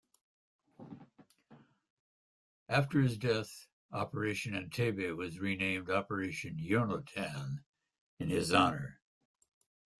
After his death Operation Entebbe was renamed "Operation Yonatan" in his honour.